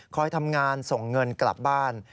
ทำงานส่งเงินกลับบ้าน